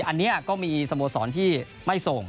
อันนี้ก็มีสโมสรที่ไม่ส่ง